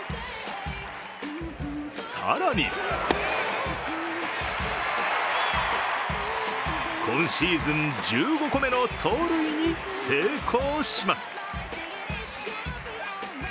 更に今シーズン１５個目の盗塁に成功します。